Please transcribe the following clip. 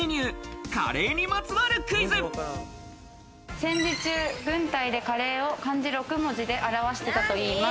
戦時中、軍隊でカレーを漢字６文字で表してたといいます。